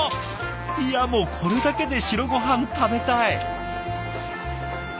いやもうこれだけで白ごはん食べたい！